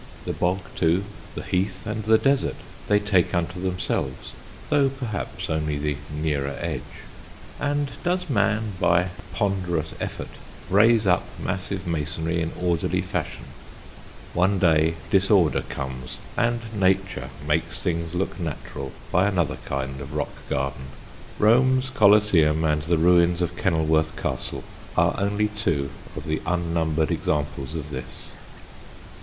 The bog, too, the heath and the desert, they take unto themselves, though perhaps only the nearer edge. And does man, by ponderous effort, raise up massive masonry in orderly fashion; one day disorder comes and nature makes things look natural by another kind of rock garden. Rome's Coliseum and the ruins of Kenilworth Castle are only two of the unnumbered examples of this.